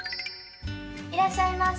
いらっしゃいませ。